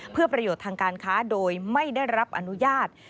เพื่อประโยชน์ทางการค้าโดยไม่ได้รับอนุญาต